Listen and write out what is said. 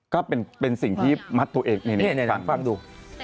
ก็เป็นสิ่งที่มัดตัวเองนี่ฟังดู